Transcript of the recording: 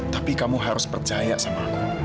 tapi kamu harus percaya sama aku